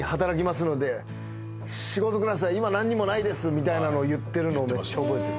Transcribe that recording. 今なんにもないですみたいなのを言ってるのをめっちゃ覚えてる。